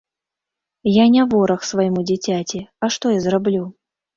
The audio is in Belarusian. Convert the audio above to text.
Я не вораг свайму дзіцяці, а што я зраблю?